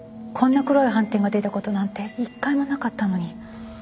こんな黒い斑点が出たことなんて一回もなかったのに。